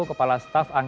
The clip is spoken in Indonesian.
kepala staf angkatan